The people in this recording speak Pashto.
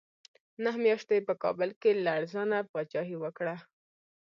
نهه میاشتې یې په کابل کې لړزانه پاچاهي وکړه.